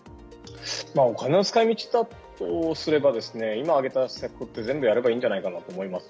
お金の使い道だとすれば今挙げた施策全部やればいいんじゃないかなと思います。